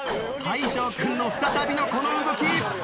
大昇君の再びのこの動き。